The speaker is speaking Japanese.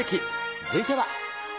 続いては。